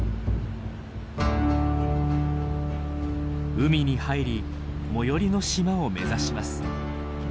海に入り最寄りの島を目指します。